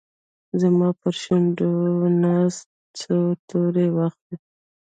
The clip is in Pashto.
زما پرشونډو ناست، څو توري واخلې